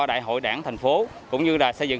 đại hội đảng thành phố cũng như là xây dựng